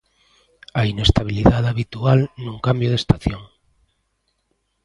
A inestabilidade habitual nun cambio de estación.